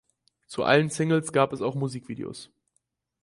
Zu allen Singles gab es auch Musikvideos.